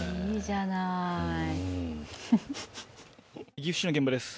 岐阜市の現場です。